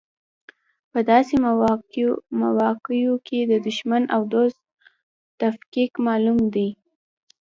په داسې مواقعو کې د دوښمن او دوست تفکیک معلوم دی.